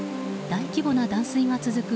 大規模な断水が続く